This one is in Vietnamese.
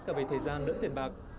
cả về thời gian đỡ tiền bạc